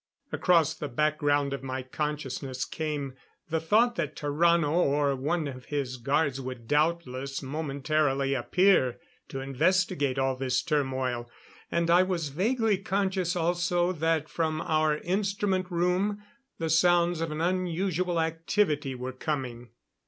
Across the background of my consciousness came the thought that Tarrano or one of his guards would doubtless momentarily appear to investigate all this turmoil. And I was vaguely conscious also that from our instrument room the sounds of an unusual activity were coming.